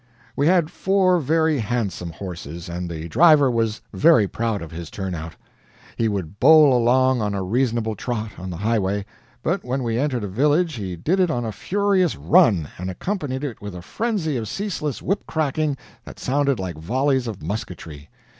We had four very handsome horses, and the driver was very proud of his turnout. He would bowl along on a reasonable trot, on the highway, but when he entered a village he did it on a furious run, and accompanied it with a frenzy of ceaseless whip crackings that sounded like volleys of musketry.